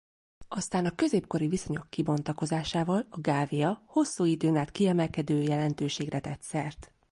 Aztán a középkori viszonyok kibontakozásával a Gavia hosszú időn át kiemelkedő jelentőségre tett szert.